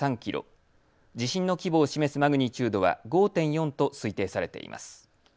地震の規模を示すマグニチュードは５．４と推定されています。